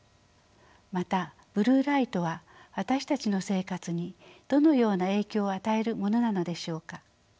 またブルーライトは私たちの生活にどのような影響を与えるものなのでしょうか？